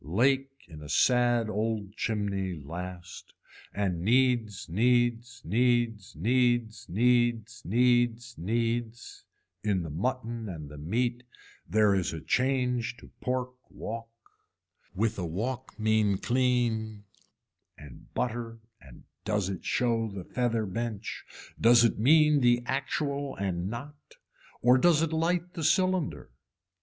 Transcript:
Lake in a sad old chimney last and needs needs needs needs needs needs needs, in the mutton and the meat there is a change to pork walk, with a walk mean clean and butter and does it show the feather bench does it mean the actual and not or does it light the cylinder.